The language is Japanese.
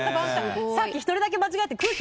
さっき１人だけ間違えて。